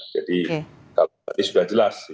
kalau tadi sudah jelas